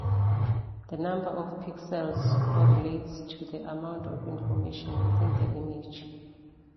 The number of pixels correlates to the amount of information within the image.